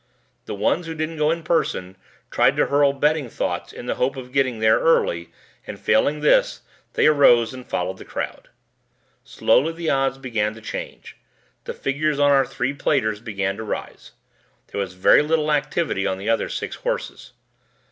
The ones who didn't go in person tried to hurl betting thoughts in the hope of getting there early and failing this they arose and followed the crowd. Slowly the odds began to change; the figures on our three platers began to rise. There was very little activity on the other six horses.